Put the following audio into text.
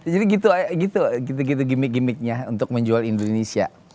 jadi gitu gitu gitu gimik gimiknya untuk menjual indonesia